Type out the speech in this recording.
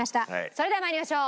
それでは参りましょう。